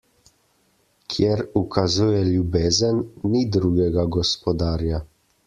Kjer ukazuje ljubezen, ni drugega gospodarja.